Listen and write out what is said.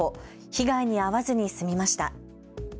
被害に遭わずに済みました。